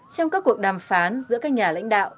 trong các cuộc đàm phán giữa các nhà lãnh đạo